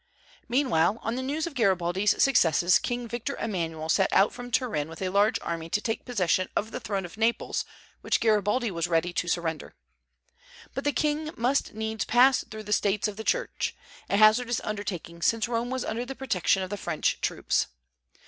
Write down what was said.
Meanwhile, on the news of Garibaldi's successes, King Victor Emmanuel set out from Turin with a large army to take possession of the throne of Naples, which Garibaldi was ready to surrender. But the king must needs pass through the States of the Church, a hazardous undertaking, since Rome was under the protection of the French troops.